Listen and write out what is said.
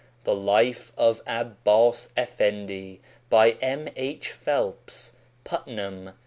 The Life of Abbas Effendi by M. H. Phelps. PUTNAM.